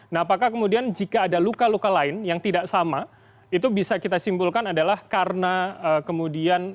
nah apakah kemudian jika ada luka luka lain yang tidak sama itu bisa kita simpulkan adalah karena kemudian